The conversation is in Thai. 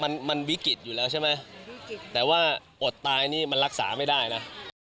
มันมันวิกฤตอยู่แล้วใช่ไหมแต่ว่าอดตายนี่มันรักษาไม่ได้นะ